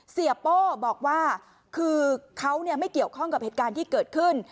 โป้บอกว่าคือเขาไม่เกี่ยวข้องกับเหตุการณ์ที่เกิดขึ้น